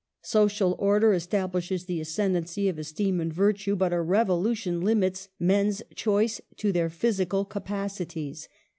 Social order establishes the ascendancy of esteem and virtue, but a revolution limits men's choice to their physical capacities.